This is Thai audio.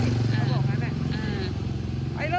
เขาบอกงั้นแหละ